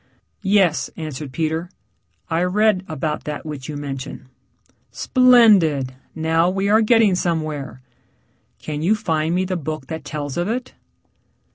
"Yes," answered Peter. "I read about that which you mention." "Splendid, now we are getting somewhere. Can you find me the book that tells of it?"